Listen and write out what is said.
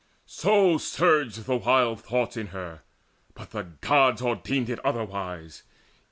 So surged the wild thoughts in her; but the Gods Ordained it otherwise.